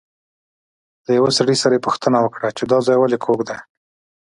له یوه سړي یې پوښتنه وکړه چې دا ځای ولې کوږ دی.